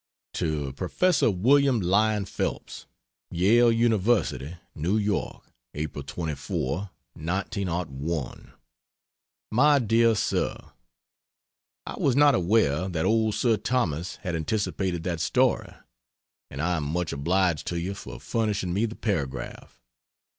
To Professor William Lyon Phelps; YALE UNIVERSITY, NEW YORK, April 24, 1901. MY DEAR SIR, I was not aware that old Sir Thomas had anticipated that story, and I am much obliged to you for furnishing me the paragraph.